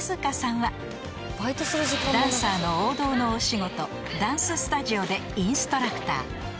［ダンサーの王道のお仕事ダンススタジオでインストラクター］